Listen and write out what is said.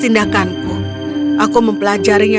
tindakanku aku mempelajarinya